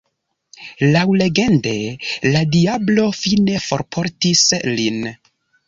Laŭlegende la diablo fine forportis lin.